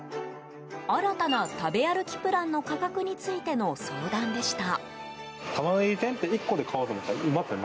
新たな食べ歩きプランの価格についての相談でした。